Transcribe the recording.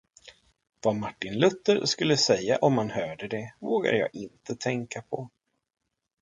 Vad Martin Luther skulle säga om han hörde det, vågar jag inte tänka på.